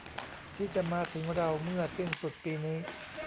ที่จะมาถึงเราเมื่อสิ้นสุดปีนี้